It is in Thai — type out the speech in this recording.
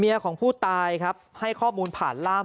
ของผู้ตายครับให้ข้อมูลผ่านล่าม